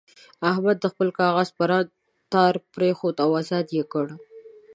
احمد د خپل کاغذ پران تار پرېښود او ازاد یې کړ.